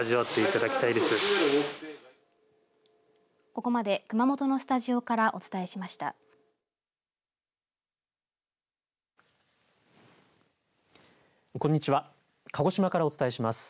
ここまで、熊本のスタジオからお伝えしました。